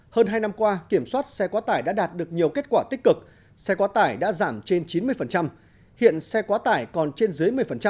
hơn hai năm qua kiểm soát xe quá tải đã đạt được nhiều kết quả tích cực xe quá tải đã giảm trên chín mươi hiện xe quá tải còn trên dưới một mươi